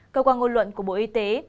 cơ quan ngôn luận của bộ y tế